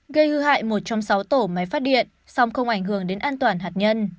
gây hư hại một trong sáu tổ máy phát điện